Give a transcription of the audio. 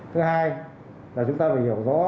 thứ hai là chúng ta phải hiểu rõ